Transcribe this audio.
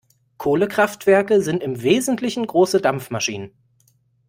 Kohlekraftwerke sind im Wesentlichen große Dampfmaschinen.